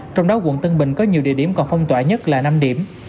trong đó quận tân bình có nhiều địa điểm còn phong tỏa nhất là năm điểm